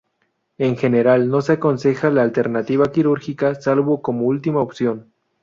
En general, no se aconseja la alternativa quirúrgica salvo como última opción.